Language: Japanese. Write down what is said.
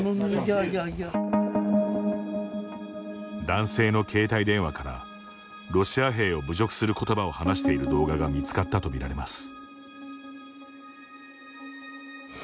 男性の携帯電話からロシア兵を侮辱することばを話している動画が見つかったとみられます。